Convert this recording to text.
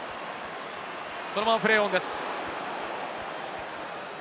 そのままプレーオンです。